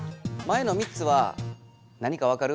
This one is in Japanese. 前の３つは何かわかる？